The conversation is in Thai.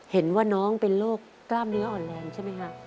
เห็นว่าน้องเป็นโรคกล้ามเนื้ออ่อนแรงใช่ไหมครับ